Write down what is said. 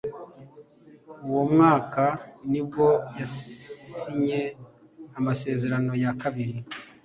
uwo mwaka nibwo yasinye amasezerano ya kabiri